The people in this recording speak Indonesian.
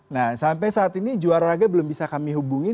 nah sampai saat ini juara raga belum bisa kami hubungin